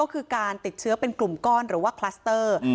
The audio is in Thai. ก็คือการติดเชื้อเป็นกลุ่มก้อนหรือว่าคลัสเตอร์